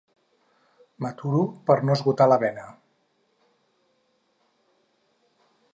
M'aturo per no esgotar la vena.